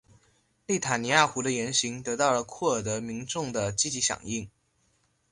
内塔尼亚胡的言行得到了库尔德民众的积极响应。